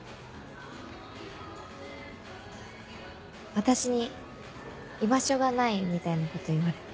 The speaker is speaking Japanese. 私に「居場所がない」みたいなこと言われて。